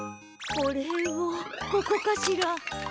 これをここかしら？